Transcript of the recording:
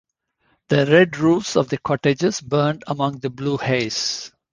The red roofs of the cottages burned among the blue haze.